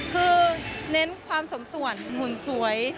คือเน้นความสมส่วนหุ่นสวย